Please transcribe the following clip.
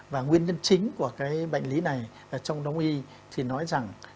và nguyên nhân chính của cái bệnh lý này trong đông y thì nói rằng